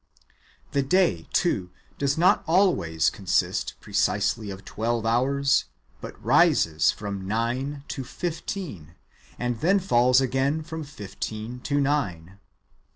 ^ The day, too, does not always consist precisely of twelve hours, but rises from nine^ to fifteen, and then falls again from fifteen to nine.